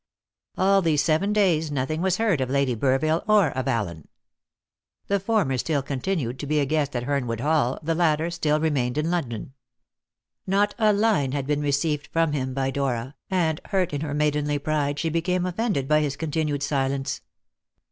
All these seven days nothing was heard of Lady Burville or of Allen. The former still continued to be a guest at Hernwood Hall, the latter still remained in London. Not a line had been received from him by Dora, and, hurt in her maidenly pride, she became offended by his continued silence.